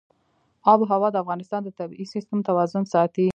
آب وهوا د افغانستان د طبعي سیسټم توازن ساتي.